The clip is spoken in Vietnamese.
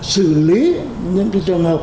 xử lý những trường hợp